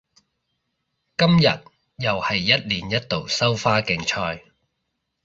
今日又係一年一度收花競賽